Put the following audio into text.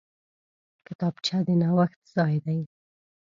کتابچه د نوښت ځای دی